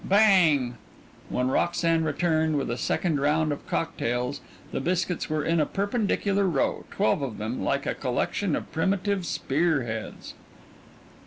Bang!... When Roxanne returned, with a second round of cocktails the biscuits were in a perpendicular row, twelve of them, like a collection of primitive spear heads.